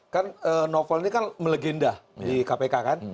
kan novel ini kan melegenda di kpk kan